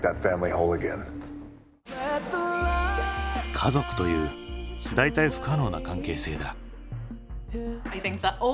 家族という代替不可能な関係性だ。